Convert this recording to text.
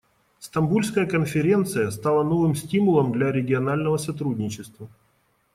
Стамбульская конференция стала новым стимулом для регионального сотрудничества.